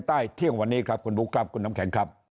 เที่ยงวันนี้ครับคุณบุ๊คครับคุณน้ำแข็งครับ